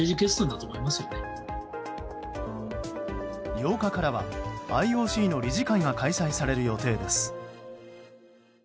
８日からはＩＯＣの理事会が開催される予定です。